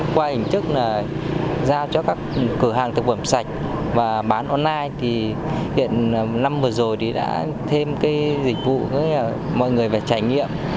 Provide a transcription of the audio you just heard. qua hình thức là giao cho các cửa hàng thực phẩm sạch và bán online thì hiện năm vừa rồi thì đã thêm cái dịch vụ với mọi người phải trải nghiệm